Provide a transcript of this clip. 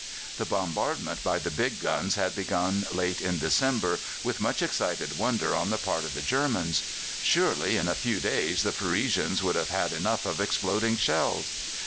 The bombardment by the big guns had begun late in December with much excited wonder on the part of the Germans. Surely in a few days the Parisians will have had enough of exploding shells!